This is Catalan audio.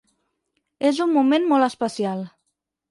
És un moment molt especial.